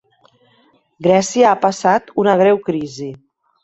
Grècia ha passat una greu crisi.